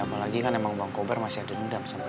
apalagi kan emang bang kober masih ada dendam sama dia